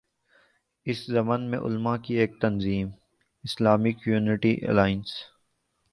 اس ضمن میں علما کی ایک تنظیم ”اسلامک یونٹی الائنس“